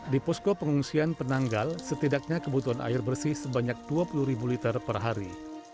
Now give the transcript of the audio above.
di posko pengungsian penanggal setidaknya kebutuhan air bersih sebanyak dua puluh ribu liter per hari